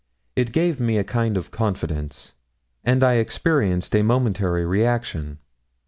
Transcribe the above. It gave me a kind of confidence; and I experienced a momentary reaction.